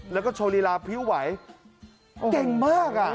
แล้วก็โชว์ลีลาพิ้วไหวเก่งมาก